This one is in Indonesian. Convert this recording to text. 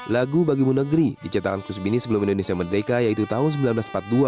lagu bagimu negeri dicetakkan kusbini sebelum indonesia merdeka yaitu tahun seribu sembilan ratus empat puluh dua